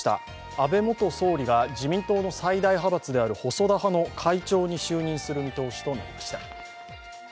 安倍元総理が自民党の最大派閥である細田派の会長に就任する見通しとなりました。